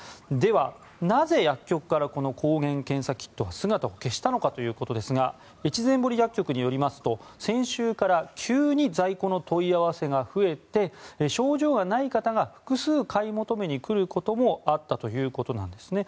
ではなぜ薬局から抗原検査キットが姿を消したのかということですが越前堀薬局によりますと先週から急に在庫の問い合わせが増えて症状がない方が複数買い求めに来ることもあったということなんです。